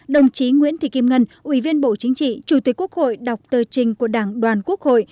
đồng chí nguyễn thị kim ngân ủy viên bộ chính trị chủ tịch quốc hội đọc tờ trình của đảng đoàn quốc hội